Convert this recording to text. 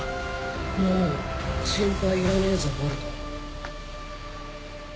もう心配いらねえぞボルト。